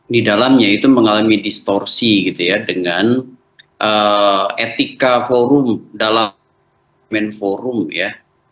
di dalamnya itu mengalami distorsi gitu ya dengan etika forum dalam men forum ya